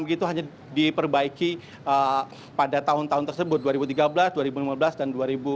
begitu hanya diperbaiki pada tahun tahun tersebut dua ribu tiga belas dua ribu lima belas dan dua ribu sembilan belas